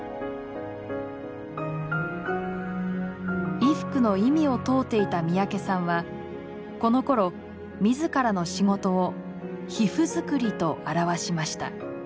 衣服の意味を問うていた三宅さんはこのころ自らの仕事を「皮膚づくり」と表しました。